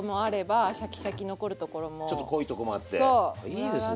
いいですね。